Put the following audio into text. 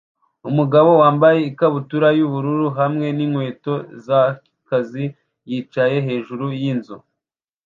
Umugabo wambaye ikabutura yubururu hamwe ninkweto zakazi yicaye hejuru yinzu